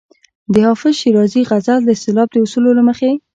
د حافظ شیرازي غزل د سېلاب د اصولو له مخې.